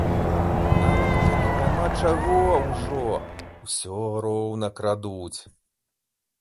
Нават калі няма чаго ўжо, усё роўна крадуць.